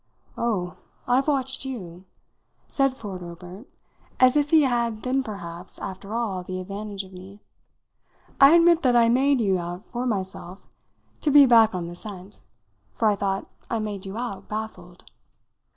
"Oh, I've watched you," said Ford Obert as if he had then perhaps after all the advantage of me. "I admit that I made you out for myself to be back on the scent; for I thought I made you out baffled."